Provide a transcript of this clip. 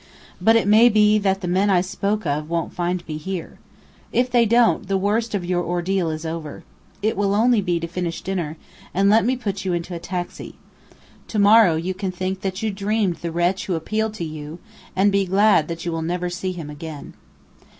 But it may be that the men I spoke of won't find me here. If they don't, the worst of your ordeal is over. It will only be to finish dinner, and let me put you into a taxi. To morrow you can think that you dreamed the wretch who appealed to you, and be glad that you will never see him again."